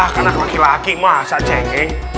anak anak laki laki masa cengkeh